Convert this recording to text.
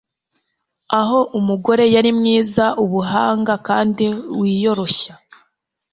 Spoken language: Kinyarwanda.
aho umugore yari mwiza, ubuhanga kandi wiyoroshya